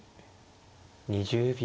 ２０秒。